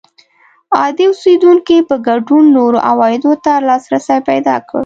عادي اوسېدونکو په ګډون نورو عوایدو ته لاسرسی پیدا کړ